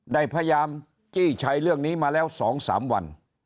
ได้พยายามจี้ชัยเรื่องนี้มาแล้ว๒๓วัน